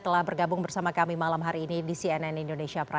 telah bergabung bersama kami malam hari ini di cnn indonesia prime